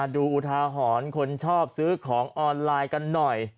อุทาหรณ์คนชอบซื้อของออนไลน์กันหน่อย